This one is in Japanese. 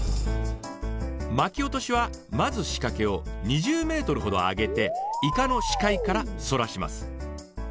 巻き落としはまず仕掛けを２０ｍほど上げてイカの視界からそらします。